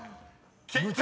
［結果